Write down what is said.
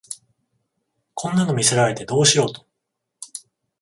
こんなの見せられてどうしろと